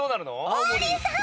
王林さん！